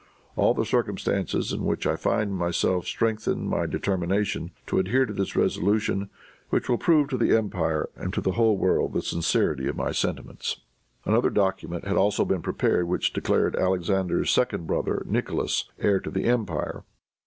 All the circumstances in which I find myself strengthen my determination to adhere to this resolution, which will prove to the empire and to the whole world the sincerity of my sentiments." Another document had also been prepared which declared Alexander's second brother, Nicholas, heir to the empire.